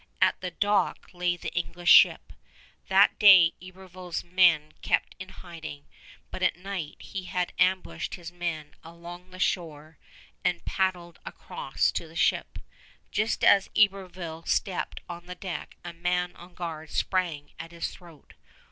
At the dock lay the English ship. That day Iberville's men kept in hiding, but at night he had ambushed his men along shore and paddled across to the ship. Just as Iberville stepped on the deck a man on guard sprang at his throat.